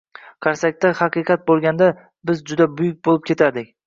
Qarsakda haqiqat boʻlganda biz juda buyuk boʻlib ketardik.